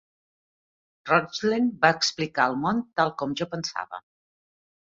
Rochlen va explicar el nom tal com jo pensava.